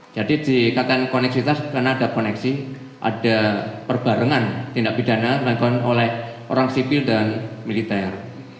jadi dikatakan koneksitas karena ada koneksi ada perbarengan tindak pidana dengan orang sibil dan militer